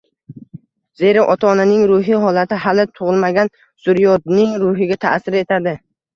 Zero, ota-onaning ruhiy holati hali tug‘ilmagan zurriyodning ruhiga ta’sir etadi.